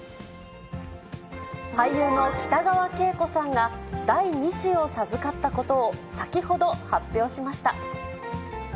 俳優の北川景子さんが、第２子を授かったことを先ほど発表しました。